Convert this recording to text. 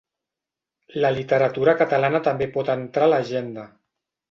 La literatura catalana també pot entrar a l'agenda.